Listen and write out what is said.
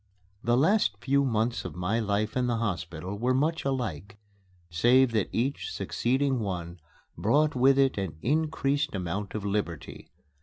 The last few months of my life in the hospital were much alike, save that each succeeding one brought with it an increased amount of liberty.